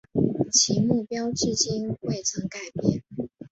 其目标至今未曾改变。